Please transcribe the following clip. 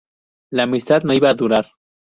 La amistad no iba a durar.